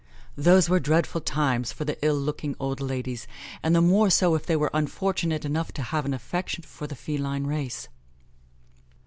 Those were dreadful times for the ill looking old ladies, and the more so if they were unfortunate enough to have an affection for the feline race.